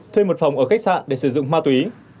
thuê một phòng ở khách sạn để sử dụng ma túy